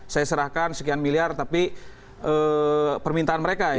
saya serahkan sekian miliar tapi permintaan mereka